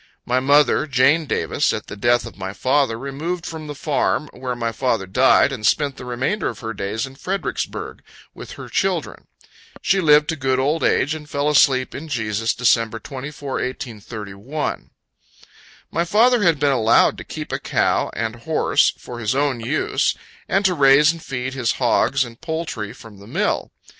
My mother, Jane Davis, at the death of my father, removed from the farm, where my father died, and spent the remainder of her days in Fredericksburg, with her children. She lived to good old age, and fell asleep in Jesus, Dec. 24, 1831. My father had been allowed to keep a cow and horse, for his own use; and to raise and feed his hogs and poultry from the mill.